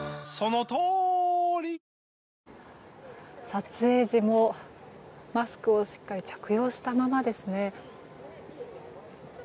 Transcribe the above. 撮影時もマスクをしっかり着用したままですね。